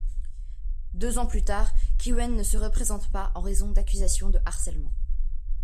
Deux ans plus tard, Kihuen ne se représente pas en raison d'accusations de harcèlement.